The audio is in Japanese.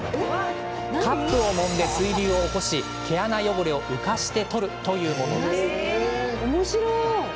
カップをもんで水流を起こし毛穴汚れを浮かして取るというものなんです。